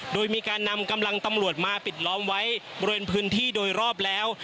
โดยมีการนำกำลังตำรวจมาปิดล้อมไว้บริเวณพื้นที่โดยรอบแล้ว